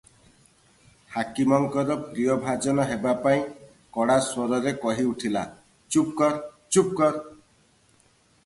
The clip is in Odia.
ହାକିମଙ୍କର ପ୍ରିୟଭାଜନ ହେବାପାଇଁ କଡ଼ା ସ୍ୱରରେ କହି ଉଠିଲା, "ଚୁପ୍ କର ଚୁପ୍ କର ।"